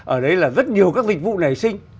ở đấy là rất nhiều các dịch vụ nảy sinh